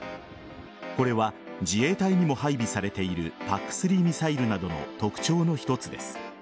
これは自衛隊にも配備されているＰＡＣ‐３ミサイルなどの特徴の一つです。